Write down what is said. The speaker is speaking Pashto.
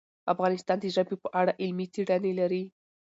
افغانستان د ژبې په اړه علمي څېړنې لري.